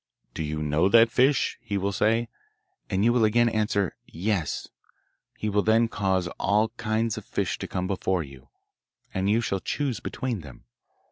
"Do you know that fish?" he will say, and you will again answer "Yes." He will then cause all kinds of fish to come before you, and you shall choose between them.